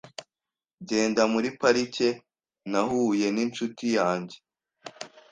Ngenda muri parike, nahuye n'inshuti yanjye .